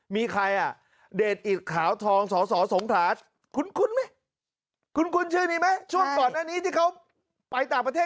มีใครอ่ะเดชอีทขาวทองสสสงขาคุณคุณมั้ย